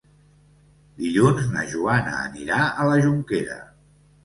Dilluns na Joana anirà a la Jonquera.